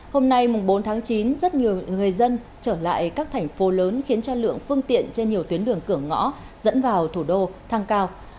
hôm nay bốn tháng chín rất nhiều người dân trở lại các thành phố lớn khiến cho lượng phương tiện trên nhiều tuyến đường cửa ngõ dẫn vào thủ đô thăng cao